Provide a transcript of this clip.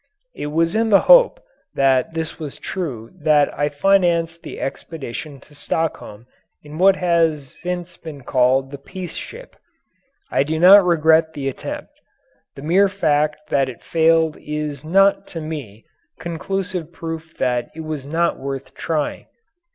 It was in the hope that this was true that I financed the expedition to Stockholm in what has since been called the "Peace Ship." I do not regret the attempt. The mere fact that it failed is not, to me, conclusive proof that it was not worth trying.